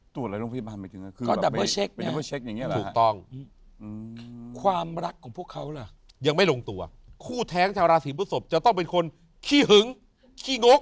ตัดเช็คตรงความรักของพี่สบบจะเป็นคนขี้หึงขี้งก